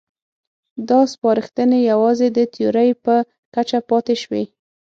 دا سپارښتنې یوازې د تیورۍ په کچه پاتې شوې.